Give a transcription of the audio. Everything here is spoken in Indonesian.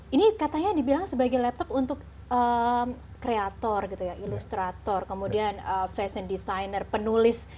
ini katanya dibilang sebagai laptop untuk kreator gitu ya ilustrator kemudian fashion designer penulis